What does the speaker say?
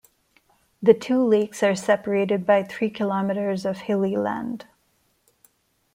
The two lakes are separated by three kilometers of hilly land.